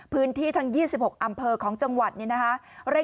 พื้นที่ทั้ง๒๖อำเภอของจังหวัดนี่นะคะ